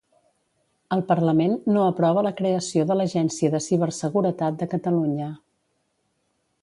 El Parlament no aprova la creació de l'Agència de Ciberseguretat de Catalunya.